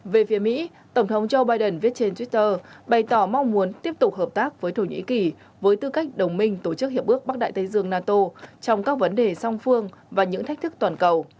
về phía mỹ tổng thống joe biden viết trên twitter bày tỏ mong muốn tiếp tục hợp tác với thổ nhĩ kỳ với tư cách đồng minh tổ chức hiệp ước bắc đại tây dương nato trong các vấn đề song phương và những thách thức toàn cầu